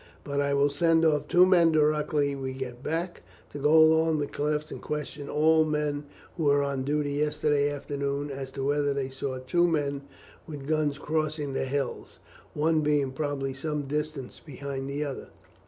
But I will send off two men directly we get back, to go along the cliffs and question all the men who were on duty yesterday afternoon as to whether they saw two men with guns crossing the hills, one being probably some distance behind the other.